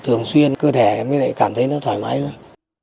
thường xuyên cơ thể mới lại cảm thấy nó thoải mái hơn